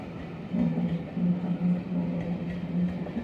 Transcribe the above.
最後に行ったのは遠足の時、林の向こうの国道の先の動物園に行く時に通り抜けただけ